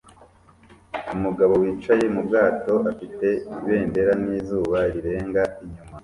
Umugabo wicaye mu bwato afite ibendera n'izuba rirenga inyuma